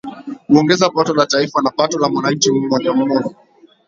Huongeza pato la taifa na pato la mwananchi mmoja mmoja